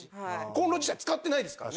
こんろ自体使ってないですからね。